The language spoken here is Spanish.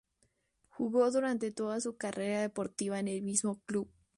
Jugó durante toda su carrera deportiva en el mismo club.